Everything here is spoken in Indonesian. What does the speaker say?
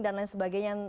dan lain sebagainya